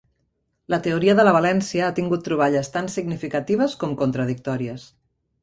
La teoria de la valència ha tingut troballes tant significatives com contradictòries.